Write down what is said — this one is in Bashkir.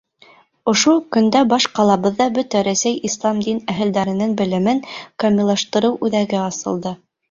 Ошо уҡ көндә баш ҡалабыҙҙа Бөтә Рәсәй Ислам дин әһелдәренең белемен камиллаштырыу үҙәге асылды.